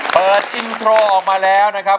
เปิดอินโทรออกมาแล้วนะครับ